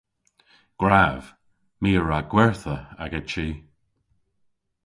Gwrav. My a wra gwertha aga chi.